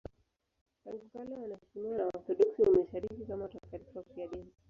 Tangu kale wanaheshimiwa na Waorthodoksi wa Mashariki kama watakatifu wafiadini.